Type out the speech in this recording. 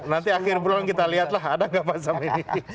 nanti akhir bulan kita lihat lah ada nggak pak sam ini